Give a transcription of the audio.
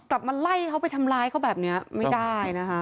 มาไล่เขาไปทำร้ายเขาแบบนี้ไม่ได้นะคะ